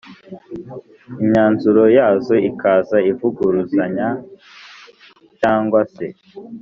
Imyanzuro yazo ikaza ivuguruzanya cyangwa se